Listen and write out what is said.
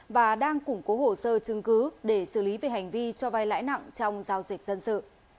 và đang củng cố hồ sơ chứng cứ để xử lý về hành vi cho vai lãi nặng trong giao dịch dân sự